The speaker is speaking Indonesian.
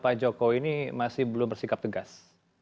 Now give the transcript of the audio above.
pak jokowi ini masih belum bersikap tegas